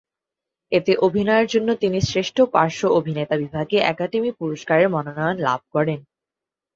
এতে অভিনয়ের জন্য তিনি শ্রেষ্ঠ পার্শ্ব অভিনেতা বিভাগে একাডেমি পুরস্কারের মনোনয়ন লাভ করেন।